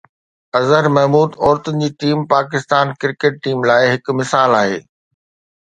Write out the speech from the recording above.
اظهر محمود عورتن جي team Pakistan cricket team لاءِ هڪ مثال آهي